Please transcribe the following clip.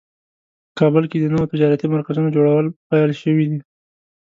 په کابل کې د نوو تجارتي مرکزونو جوړول پیل شوی ده